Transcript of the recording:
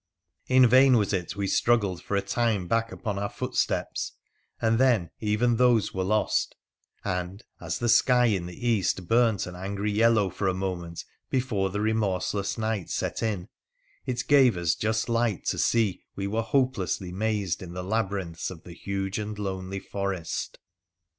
In vain was it we struggled for a time back upon our footsteps, and then even those were lost ; and, as the sky in the east burnt an angry yellow for a moment before the remorseless night set in, it gave us just light to see we were hopelessly mazed in the labyrinths of the huge and lonely forest.